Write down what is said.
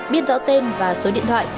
biết rõ tên và số điện thoại